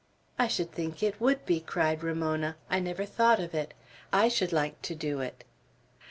"I should think it would be," cried Ramona. "I never thought of it. I should like to do it."